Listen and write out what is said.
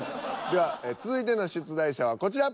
では続いての出題者はこちら。